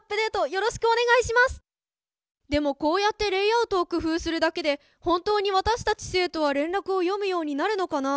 でもこうやってレイアウトを工夫するだけで本当に私たち生徒は連絡を読むようになるのかな？